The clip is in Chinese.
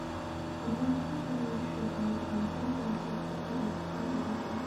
全面专政论是怀仁堂政变后批判的四人帮理论之一。